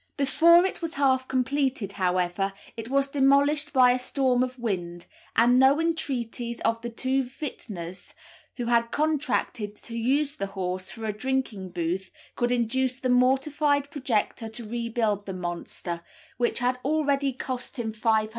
Before it was half completed, however, it was demolished by a storm of wind, and no entreaties of the two vintners who had contracted to use the horse for a drinking booth could induce the mortified projector to rebuild the monster, which had already cost him £500.